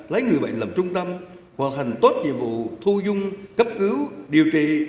lấy người bệnh làm trung tâm hoàn thành tốt nhiệm vụ thu dung cấp cứu điều trị